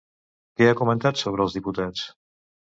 Què ha comentat sobre els diputats?